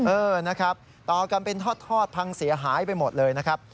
เออนะครับต่อกันเป็นทอดพังเสียหายไปหมดเลยนะครับ